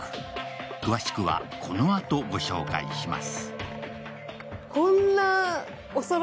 詳しくはこのあとご紹介します。